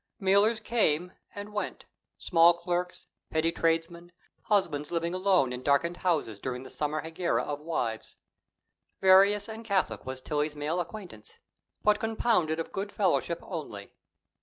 "Mealers" came and went small clerks, petty tradesmen, husbands living alone in darkened houses during the summer hegira of wives. Various and catholic was Tillie's male acquaintance, but compounded of good fellowship only.